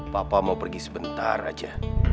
papa mau pergi sebentar aja